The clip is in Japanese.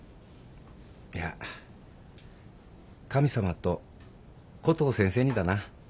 いや神様とコトー先生にだな。